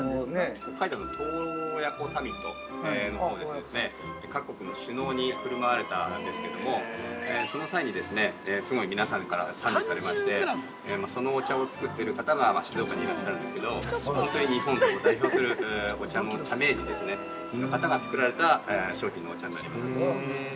◆北海道の洞爺湖サミットのほうで各国の首脳に振る舞われたんですけれどもその際に、すごい皆さんから賛美されまして、そのお茶を作っている方が静岡にいらっしゃるんですけど、本当に日本を代表するお茶の茶名人の方が作られた商品のお茶になります。